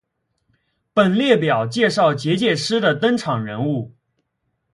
本列表介绍结界师的登场人物。